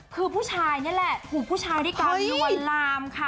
คือผู้ชายนี่แหละผู้ชายที่กำลังลวนลามค่ะ